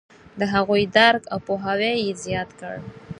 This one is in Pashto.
د هغوی درک او پوهاوی یې زیات کړ.